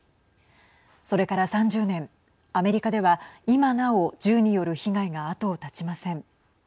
それから３０年、アメリカでは今なお、銃による被害が後を絶ちません。